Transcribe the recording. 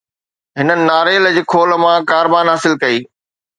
هنن ناريل جي خول مان ڪاربان حاصل ڪئي